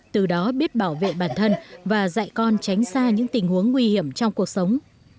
từ đó biết bảo vệ bản thân và dạy con tránh xa những tình huống nguy hiểm trong cuộc sống